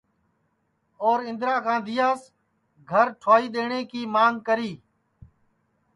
اور اِندرا گاندھیاس گھر ٹھُوائی دؔیٹؔیں کی مانگ کری